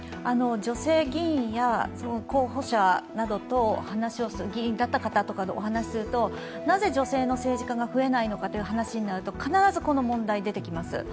女性議員や、候補者などと話をするとなぜ女性の政治家が増えないのかという話になると、必ずこの問題が出てきます。